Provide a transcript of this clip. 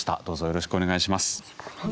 よろしくお願いします。